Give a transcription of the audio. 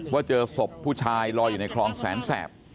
ว่าเจอศพผู้ชายลอยอยู่ในคลองแสนแสบ